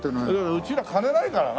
うちら金ないからな。